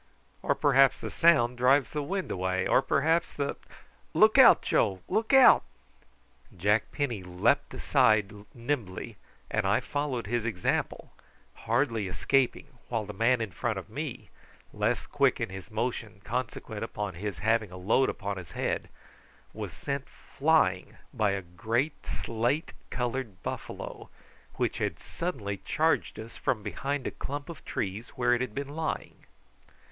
"Or perhaps the sound drives the wind away, or perhaps the Look out, Joe, look out!" Jack Penny leaped aside nimbly, and I followed his example, hardly escaping, while the man in front of me, less quick in his motion consequent upon his having a load upon his head, was sent flying by a great slate coloured buffalo which had suddenly charged us from behind a clump of trees where it had been lying.